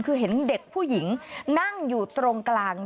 คือเห็นเด็กผู้หญิงนั่งอยู่ตรงกลาง